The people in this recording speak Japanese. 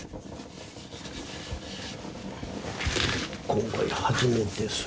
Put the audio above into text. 今回初めてする。